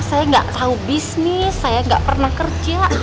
saya gak tahu bisnis saya gak pernah kerja